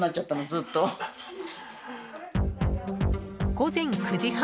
午前９時半